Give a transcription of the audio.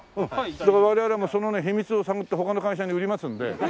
我々もその秘密を探って他の会社に売りますんで。